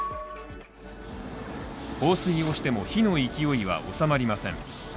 放水をしても、火の勢いは収まりません。